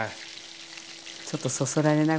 ちょっとそそられない？